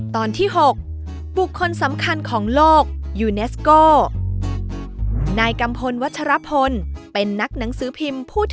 ตอนที่๖บุคคลสำคัญของโลกยูเนสโกนายกัมพลวัชรพลเป็นนักหนังสือพิมพ์